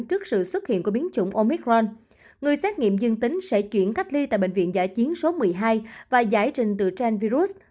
trước sự xuất hiện của biến chủng omicron người xét nghiệm dương tính sẽ chuyển cách ly tại bệnh viện giả chiến số một mươi hai và giải trình từ trang virus